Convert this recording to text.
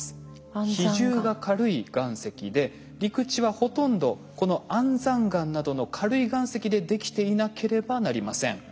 比重が軽い岩石で陸地はほとんどこの安山岩などの軽い岩石でできていなければなりません。